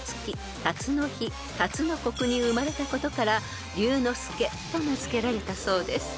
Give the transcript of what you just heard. ［に生まれたことから龍之介と名付けられたそうです］